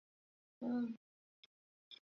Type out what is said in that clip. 还有决定第三名和第四名的附加赛。